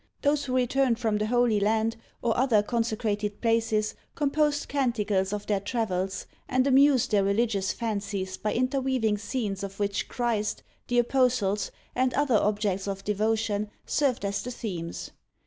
Those who returned from the Holy Land or other consecrated places composed canticles of their travels, and amused their religious fancies by interweaving scenes of which Christ, the Apostles, and other objects of devotion, served as the themes.